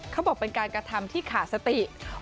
เขาบอกเป็นการกระทำที่ขาดสติ